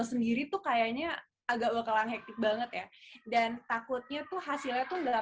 sendiri tuh kayaknya agak bakalan hektik banget ya dan takutnya tuh hasilnya tuh